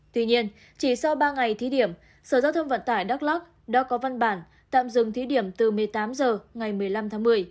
tuy nhiên chỉ sau ba ngày thí điểm sở giao thông vận tải đắk lắc đã có văn bản tạm dừng thí điểm từ một mươi tám h ngày một mươi năm tháng một mươi